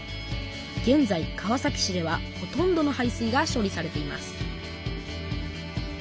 げんざい川崎市ではほとんどの排水が処理されています